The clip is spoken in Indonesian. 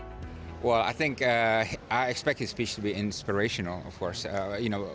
saya harap bahwa perbicaraannya menginspirasi